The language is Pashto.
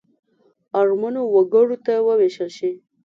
اړمنو وګړو ته ووېشل شي.